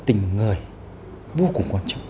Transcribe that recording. tình người vô cùng quan trọng